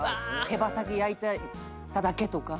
手羽先焼いただけとか。